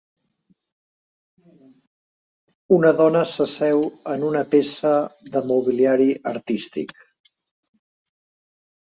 Una dona s'asseu en una peça de mobiliari artístic.